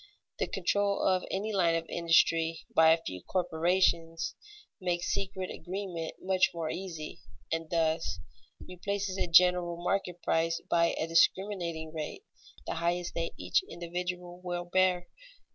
The control of any line of industry by a few corporations makes secret agreement much more easy, and thus replaces a general market price by a discriminating rate, the highest that each individual will bear.